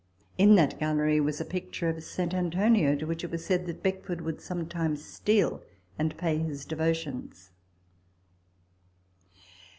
In that gallery was a picture of St. Antonio, to which it was said that Beckford would sometimes steal ?nd pay his devotions.